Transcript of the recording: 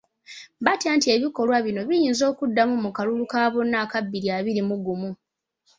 Batya nti ebikolwa bino, biyinza okuddamu mu kalulu ka bonna aka bbiri abiri mu gumu.